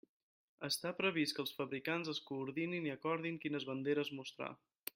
Està previst que els fabricants es coordinin i acordin quines banderes mostrar.